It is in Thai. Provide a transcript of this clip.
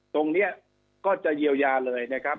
ตรงนี้ก็จะเยียวยาเลยนะครับ